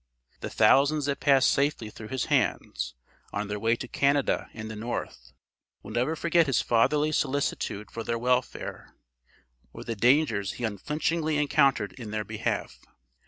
The thousands that passed safely through his hands, on their way to Canada and the North, will never forget his fatherly solicitude for their welfare, or the dangers he unflinchingly encountered in their behalf.